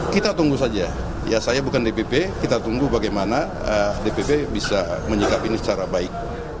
kita tunggu saja ya saya bukan dpp kita tunggu bagaimana dpp bisa menyikap ini secara baik